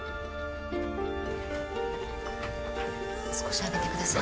少し上げてください